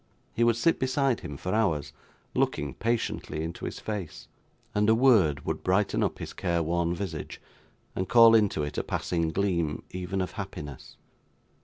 He would sit beside him for hours, looking patiently into his face; and a word would brighten up his care worn visage, and call into it a passing gleam, even of happiness.